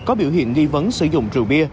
có biểu hiện nghi vấn sử dụng rượu bia